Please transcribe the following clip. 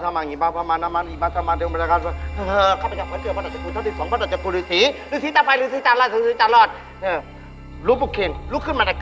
ช่องมาจะฟีจีนเดี๋ยวจงมา